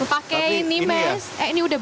lu pakai ini mes eh ini udah